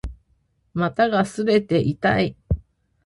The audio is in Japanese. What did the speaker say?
股が擦れて痛い